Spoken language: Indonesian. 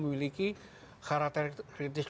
memiliki karakter kritis